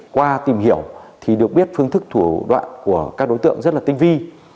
qua tìm hiểu thì được biết phương thức thủ đoạn của các đối tượng rất là tinh vi